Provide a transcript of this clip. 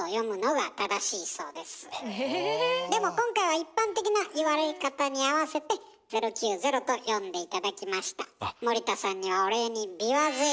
でも今回は一般的な言われ方に合わせて「０９０」と読んで頂きました。